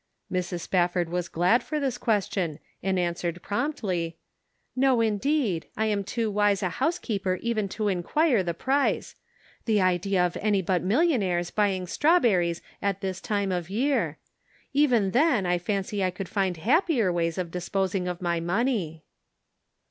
Mrs. Spafford was glad for this question, and answered promptly : 36 The Pocket Measure. " No, indeed ; I am too wise a house keeper even to inquire the price. The idea of any but millionnaires buying strawberries at this time of year ! Even then I fancy I could find happier ways of disposing of my money."